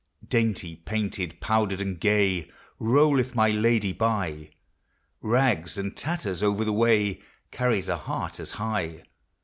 Dainty, painted, powdered and gay, Rolleth my lady by ; LIFE. 239 Rags and tatters, over the way, Carries a heart as high.